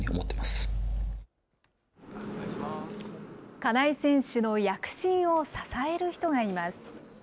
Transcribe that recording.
金井選手の躍進を支える人がいます。